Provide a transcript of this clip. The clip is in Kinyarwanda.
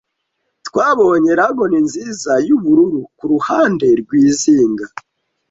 Twabonye lagoon nziza, yubururu kuruhande rwizinga.